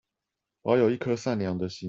保有一顆善良的心